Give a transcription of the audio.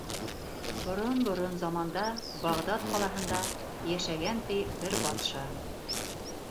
Борон-борон заманда Бағдад ҡалаһында йәшәгән, ти, бер батша.